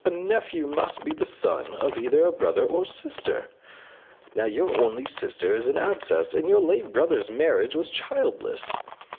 A nephew must be the son of either a brother or a sister. Now, your only sister is an abbess, and your late brother's marriage was childless.